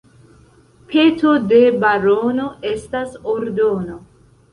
Peto de barono estas ordono.